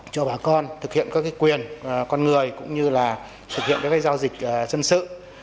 cho bà con thực hiện các quyền con người cũng như là thực hiện các giao dịch dân sự